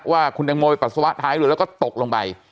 ว่าคุณตังโมไปปัสสาวะท้ายเรือแล้วก็ตกลงไป